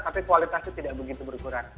tapi kualitasnya tidak begitu berkurang